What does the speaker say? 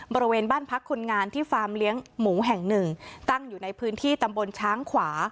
บริเวณบ้านพักคนงานที่ฟาร์มเลี้ยงหมูแห่งหนึ่งตั้งอยู่ในพื้นที่ตำบลช้างขวา